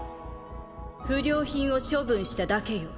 不良品を処分しただけよ。